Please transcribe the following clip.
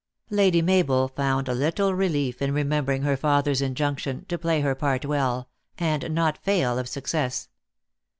Lady Mabel found little relief in remembering her father s injunction, to play her part well, and not fail of success.